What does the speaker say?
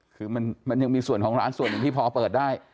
คือมันยังมีส่วนของร้านส่วนหนึ่งที่พอเปิดได้